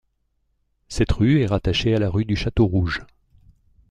Cette rue est rattachée à la rue du Château-Rouge.